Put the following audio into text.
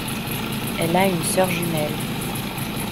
Elle a une sœur jumelle.